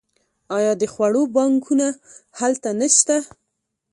آیا د خوړو بانکونه هلته نشته؟